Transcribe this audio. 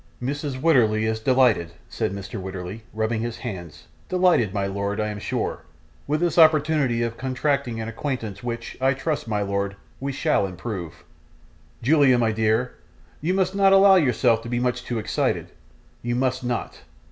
'Mrs. Wititterly is delighted,' said Mr. Wititterly, rubbing his hands; 'delighted, my lord, I am sure, with this opportunity of contracting an acquaintance which, I trust, my lord, we shall improve. Julia, my dear, you must not allow yourself to be too much excited, you must not.